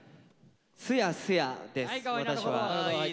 「すやすや」です私は。